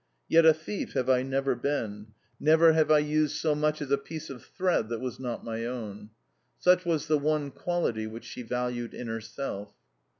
"Yet a thief have I never been. Never have I used so much as a piece of thread that was not my own." Such was the one quality which she valued in herself.